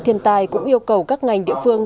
thiên tai cũng yêu cầu các ngành địa phương